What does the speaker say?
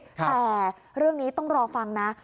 แต่เรื่องนี้ต้องรอฟังนะ